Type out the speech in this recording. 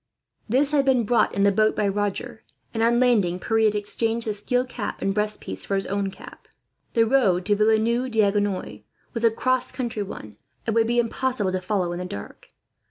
This had been brought in the boat by Roger, and on landing Pierre had exchanged the steel cap and breast piece for his own cap. The road to Villeneuve D'Agenois was a cross country one, and would be impossible to follow in the dark.